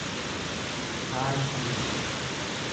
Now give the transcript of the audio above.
paayisiis